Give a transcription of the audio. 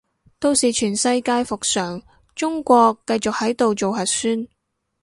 到時全世界復常，中國繼續喺度做核酸